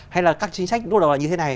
hay là các chính sách lúc đầu là như thế này